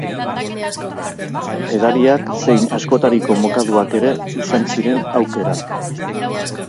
Edariak zein askotariko mokaduak ere izan ziren aukeran.